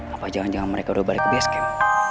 apa jangan jangan mereka udah balik ke base camp